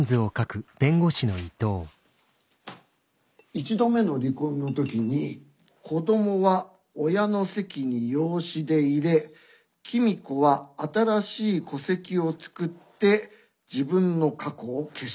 一度目の離婚の時に子どもは親の籍に養子で入れ公子は新しい戸籍を作って自分の過去を消した。